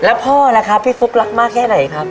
แล้วพ่อล่ะครับพี่ฟุ๊กรักมากแค่ไหนครับ